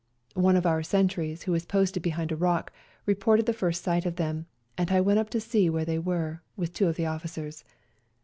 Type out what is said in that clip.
One of our sentries, who was posted behind a rock, reported the first sight of them, and I went up to see where they w^ere, with two of the officers.